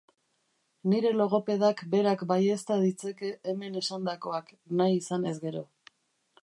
Nire logopedak berak baiezta ditzake hemen esandakoak, nahi izanez gero.